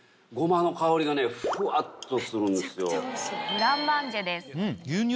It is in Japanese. ブランマンジェです。